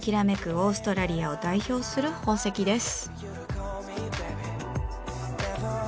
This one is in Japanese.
オーストラリアを代表する宝石です。